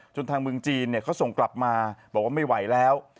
ทางเมืองจีนเขาส่งกลับมาบอกว่าไม่ไหวแล้ว